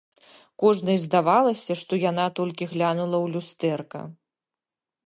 Кожнай здавалася, што яна толькі глянула ў люстэрка.